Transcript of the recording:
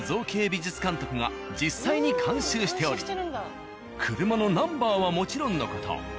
美術監督が実際に監修しており車のナンバーはもちろんの事